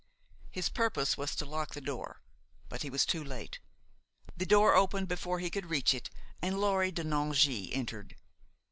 His purpose was to lock the door; but he was too late. The door opened before he could reach it, and Laure de Nangy entered.